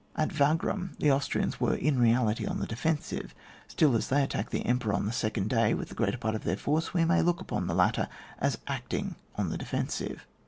At Wagram the Austrians were, in reality, on the defensive, still as they attacked the Emperor on ike second day with the greater part of their force, we may look upon the latter as acting on the defensive.